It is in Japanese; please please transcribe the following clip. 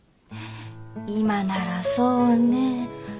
今ならそうねえ。